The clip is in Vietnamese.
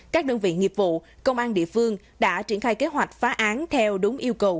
các đơn vị nghiệp vụ công an địa phương đã triển khai kế hoạch phá án theo đúng yêu cầu